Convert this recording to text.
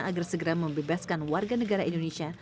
agar segera membebaskan warga negara indonesia